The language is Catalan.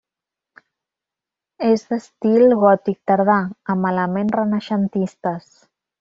És d'estil gòtic tardà, amb elements renaixentistes.